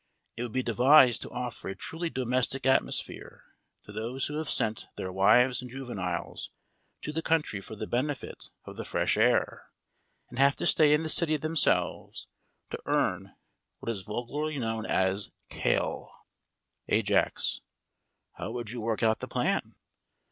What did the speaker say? It would be devised to offer a truly domestic atmosphere to those who have sent their wives and juveniles to the country for the benefit of the fresh air, and have to stay in the city themselves to earn what is vulgarly known as kale. AJAX: How would you work out the plan?